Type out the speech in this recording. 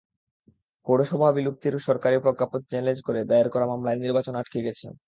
পৌরসভা বিলুপ্তির সরকারি প্রজ্ঞাপন চ্যালেঞ্জ করে দায়ের করা মামলায় নির্বাচন আটকে গেছে।